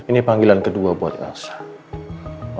ini panggilan kedua buat rasha